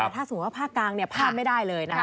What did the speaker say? ถ้าสมมุติว่าภาคกลางเนี่ยภาพไม่ได้เลยนะ